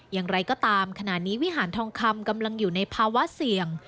อย่างไรก็ตามขณะนี้วิหารทองคำกำลังอยู่ในภาวะเสี่ยง